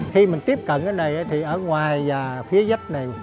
khi mình tiếp cận cái này thì ở ngoài và phía dốc này